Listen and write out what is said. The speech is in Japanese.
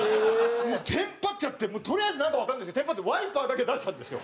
テンパっちゃってとりあえずなんかわかんないんですけどテンパってワイパーだけ出したんですよ。